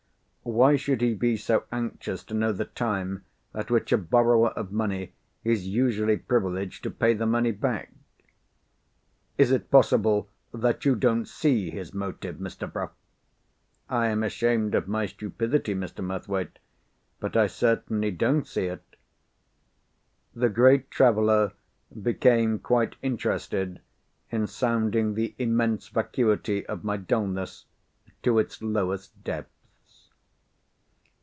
"Why should he be so anxious to know the time at which a borrower of money is usually privileged to pay the money back?" "Is it possible that you don't see his motive, Mr. Bruff?" "I am ashamed of my stupidity, Mr. Murthwaite—but I certainly don't see it." The great traveller became quite interested in sounding the immense vacuity of my dulness to its lowest depths.